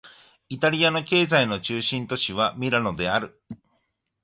イタリアの経済の中心都市はミラノである